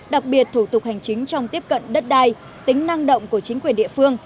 đặc biệt thủ tục hành chính trong tiếp cận đất đai tính năng động của chính quyền địa phương